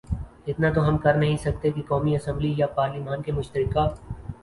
اتنا تو ہم کرنہیں سکتے کہ قومی اسمبلی یا پارلیمان کے مشترکہ